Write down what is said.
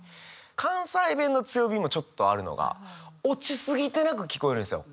関西弁の強みもちょっとあるのが落ちすぎてなく聞こえるんですよ。